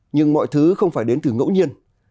nhưng mọi thứ không phải đến từ ngẫu nhiên